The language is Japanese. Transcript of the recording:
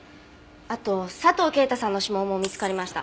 あと佐藤啓太さんの指紋も見つかりました。